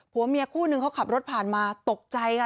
เมียคู่นึงเขาขับรถผ่านมาตกใจค่ะ